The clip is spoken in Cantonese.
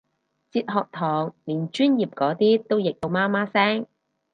哲學堂連專業嗰啲都譯到媽媽聲